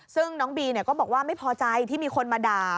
ซึ่งน้องบีก็บอกว่าไม่พอใจที่มีคนมาด่า